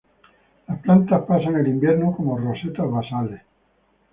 Las plantas pasan el invierno como rosetas basales.